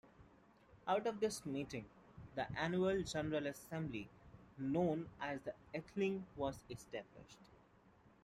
Out of this meeting, the annual general assembly known as the Althing was established.